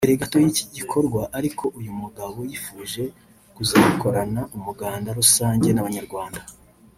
mbere gato y’iki gikorwa ariko uyu mugabo yifuje kuzakorana umuganda rusange n’abanyarwanda